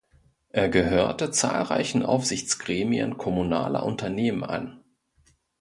Er gehörte zahlreichen Aufsichtsgremien kommunaler Unternehmen an.